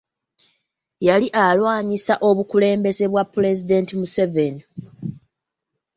Yali alwanyisa obukulembeze bwa Pulezidenti Museveni.